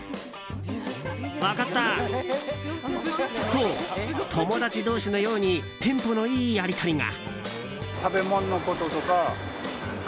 と、友達同士のようにテンポのいいやり取りが。